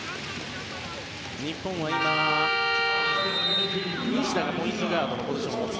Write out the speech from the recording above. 日本は今、西田がポイントガードのポジション。